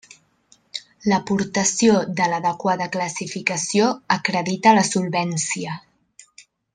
L'aportació de l'adequada classificació acredita la solvència.